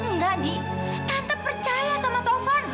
enggak di tante percaya sama taufan